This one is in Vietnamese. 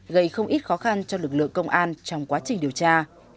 gây không ít khó khăn cho lực lượng công an trong quá trình điều tra